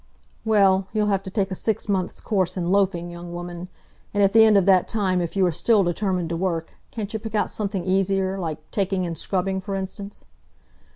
Well, you'll have to take a six months' course in loafing, young woman. And at the end of that time, if you are still determined to work, can't you pick out something easier like taking in scrubbing, for instance?"